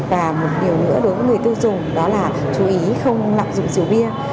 và một điều nữa đối với người tiêu dùng đó là chú ý không lạm dụng rượu bia